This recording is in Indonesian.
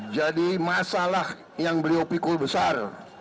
jadi masalah yang beliau pikul besar